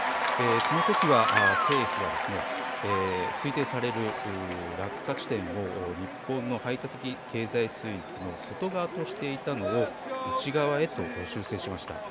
このときは政府は推定される落下地点を日本の排他的経済水域の外側としていたのを内側へと修正しました。